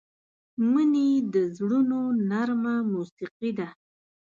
مني د زړونو نرمه موسيقي ده